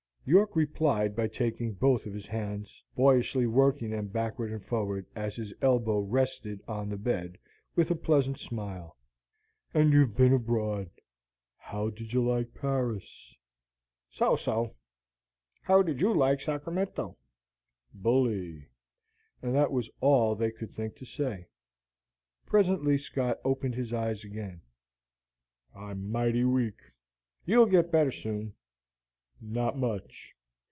York replied by taking both of his hands, boyishly working them backward and forward, as his elbow rested on the bed, with a pleasant smile. "And you've been abroad. How did you like Paris?" "So, so. How did YOU like Sacramento?" "Bully." And that was all they could think to say. Presently Scott opened his eyes again. "I'm mighty weak." "You'll get better soon." "Not much."